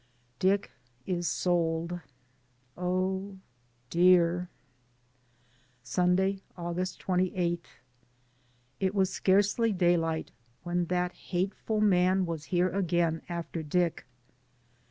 DICK IS SOLD. OH, DEAR. Sunday, August 28. It was scarcely daylight when that hateful man was here again after Dick.